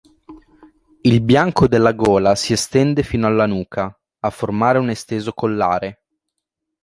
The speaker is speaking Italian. Il bianco della gola si estende fino alla nuca a formare un esteso collare.